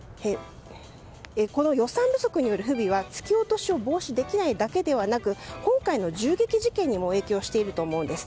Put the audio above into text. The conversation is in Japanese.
この予算不足による不備は突き落としを防止できないだけではなく今回の銃撃事件にも影響していると思うんです。